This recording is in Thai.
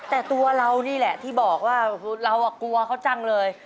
แต่ตัวเรานี่แหละที่บอกว่าเรากลัวเขาจังเลย